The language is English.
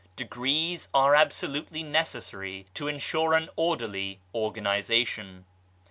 Degrees are absolutely necessary to ensure an orderly organisation.